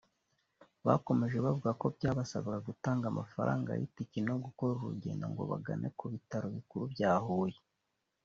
Bakomeje bavuga ko byabasabaga gutanga amafaranga y’itiki no gukora urugendo ngo bagane ku bitaro bikuru bya Huye